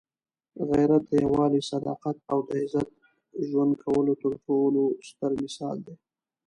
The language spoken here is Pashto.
غیرت د یووالي، صداقت او د عزت ژوند کولو تر ټولو ستر مثال دی.